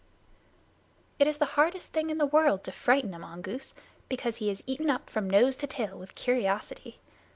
It is the hardest thing in the world to frighten a mongoose, because he is eaten up from nose to tail with curiosity.